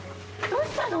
どうしたの！？